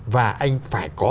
và anh phải có